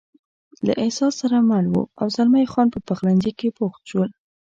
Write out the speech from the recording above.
له احساس سره مل و، او زلمی خان په پخلنځي کې بوخت شول.